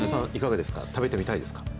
小籔さん、いかがですか、食べてみたいですか。